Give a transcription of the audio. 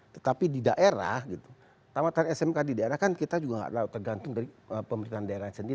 tetapi di daerah gitu tamatan smk di daerah kan kita juga tergantung dari pemerintahan daerah sendiri